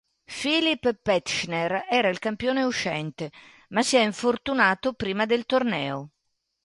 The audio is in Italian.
Philipp Petzschner era il campione uscente, ma si è infortunato prima del torneo.